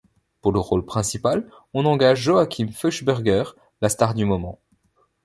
Pour le rôle principal, on engage Joachim Fuchsberger, la star du moment.